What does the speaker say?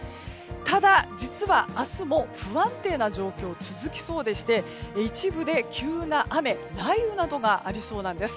ただ、実は明日も不安定な状況が続きそうでして一部で急な雨、雷雨などがありそうなんです。